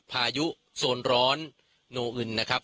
พายุโซนร้อนโนอึนนะครับ